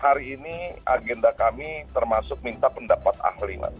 hari ini agenda kami termasuk minta pendapat ahli mas